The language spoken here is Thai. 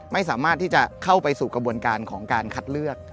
ไม่สามารถที่จะเข้าไปสู่กระบวนการของการคัดเลือก